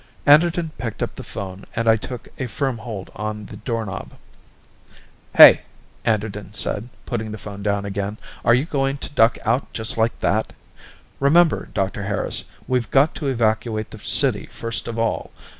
Anderton picked up the phone and I took a firm hold on the doorknob. "Hey," Anderton said, putting the phone down again. "Are you going to duck out just like that? Remember, Dr. Harris, we've got to evacuate the city first of all!